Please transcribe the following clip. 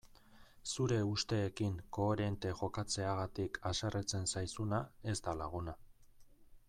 Zure usteekin koherente jokatzeagatik haserretzen zaizuna ez da laguna.